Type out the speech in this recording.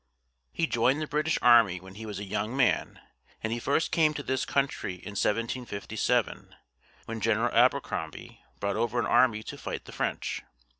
He joined the British army when he was a young man; and he first came to this country in 1757, when General Abercrombie brought over an army to fight the French.